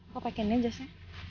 kau pakai ini jasnya